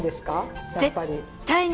やっぱり。